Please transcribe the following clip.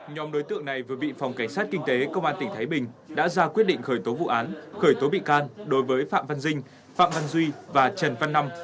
nhóm đối tượng này vừa bị phòng cảnh sát kinh tế công an tỉnh thái bình đã ra quyết định khởi tố vụ án khởi tố bị can đối với phạm văn dinh phạm văn duy và trần văn năm